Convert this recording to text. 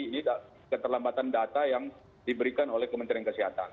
ini keterlambatan data yang diberikan oleh kementerian kesehatan